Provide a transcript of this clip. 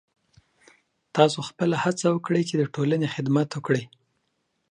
تاسو خپله هڅه وکړئ چې د ټولنې خدمت وکړئ.